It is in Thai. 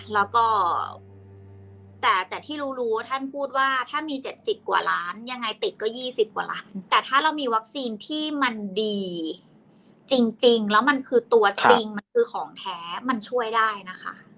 แล้วก็แต่ที่รู้รู้ท่านพูดว่าถ้ามี๗๐กว่าล้านยังไงติดก็๒๐กว่าล้านแต่ถ้าเรามีวัคซีนที่มันดีจริงแล้วมันคือตัวจริงมันคือของแท้มันช่วยได้นะคะ